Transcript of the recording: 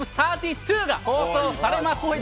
ＴＯＰ３２が放送されます。